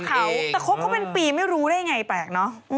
แต่คบเขาเป็นปีไม่รู้ได้ไงแปลกเนอะ